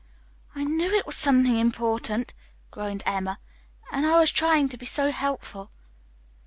"I knew it was something important," groaned Emma. "And I was trying to be so helpful."